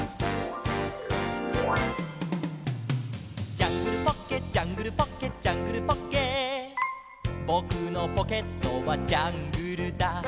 「ジャングルポッケジャングルポッケ」「ジャングルポッケ」「ぼくのポケットはジャングルだ」